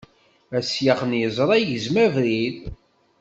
Asyax n yeẓṛa igzem abrid.